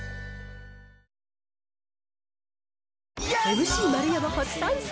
ＭＣ丸山、初参戦。